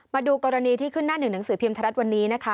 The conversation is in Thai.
มาดูกรณีที่ขึ้นหน้าหนึ่งหนังสือพิมพ์ไทยรัฐวันนี้นะคะ